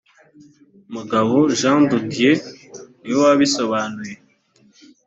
mugabo jean de dieu niwe wabisobanuye